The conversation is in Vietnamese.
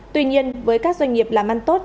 tuy nhiên với các doanh nghiệp làm ăn tốt